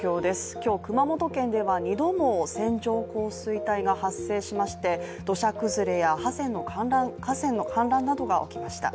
今日、熊本県では２度も線状降水帯が発生しまして土砂崩れや河川の氾濫などが起きました。